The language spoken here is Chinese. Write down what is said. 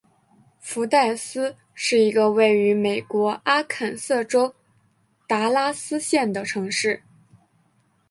福代斯是一个位于美国阿肯色州达拉斯县的城市。